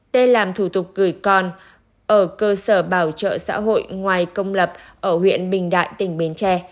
t làm thủ tục gửi con ở cơ sở bảo trợ xã hội ngoài công lập ở huyện bình đại tỉnh bến tre